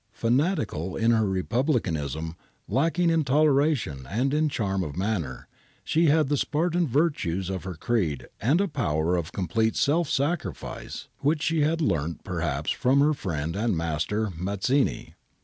Fanatical in her republicanism lacking in toleration and in charm of manner, she had the Spartan virtues of her creed and a power of complete self sacrifice which she had learnt perhaps from her friend and master, Mazzini.